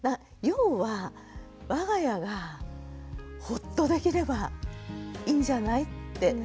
要はわが家はほっとできればいいんじゃない？って。